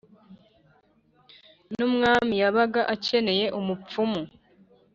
N'umwami yabaga akeneye umupfumu